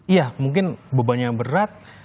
iya mungkin bebannya berat